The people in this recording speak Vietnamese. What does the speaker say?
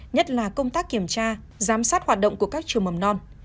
nhất là công tác kiểm tra giám sát hoạt động của các trường mầm non